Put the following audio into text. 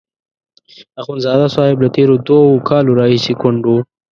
اخندزاده صاحب له تېرو دوو کالو راهیسې کونډ وو.